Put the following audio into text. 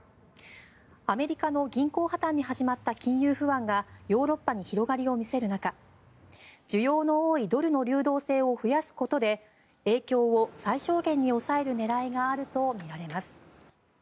アメリカの銀行破たんに始まった金融不安がヨーロッパに広がりを見せる中需要の多いドルの流動性を増やすことで影響を最小限に抑える狙いがあるとみられます。